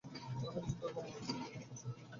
আমি নিজে দুর্বল না হইলে কখনও কষ্ট পাইতে পারি না।